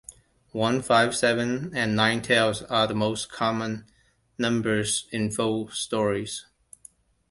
One, five, seven, and nine tails are the most common numbers in folk stories.